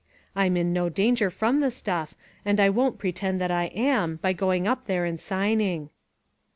I'm in no danger from the stuff, and I won't pretend that I am, by going up there and signing."